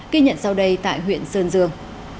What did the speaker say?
kỳ nhận sau đây tại huyện sơn dương